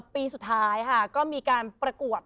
ปีสุดท้ายค่ะก็มีการประกวด